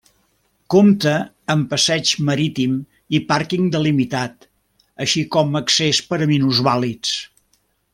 Compta amb passeig marítim i pàrquing delimitat, així com accés per a minusvàlids.